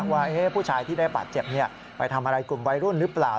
ว่าผู้ชายที่ได้บาดเจ็บไปทำอะไรกลุ่มวัยรุ่นหรือเปล่า